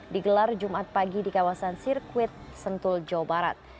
digelar jumat pagi di kawasan sirkuit sentul jawa barat